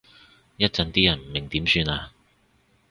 一陣啲人唔明點算啊？